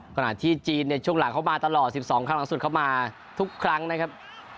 ขณะที่จีนเนี่ยช่วงหลังเขามาตลอด๑๒ครั้งหลังสุดเข้ามาทุกครั้งนะครับ